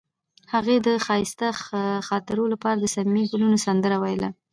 هغې د ښایسته خاطرو لپاره د صمیمي ګلونه سندره ویله.